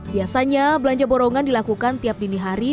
biasanya belanja borongan dilakukan tiap dini hari